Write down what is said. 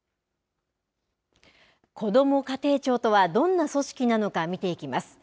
こども家庭庁とはどんな組織なのか見ていきます。